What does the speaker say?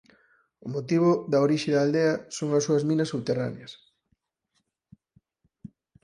O motivo do orixe da aldea son as súas minas subterráneas.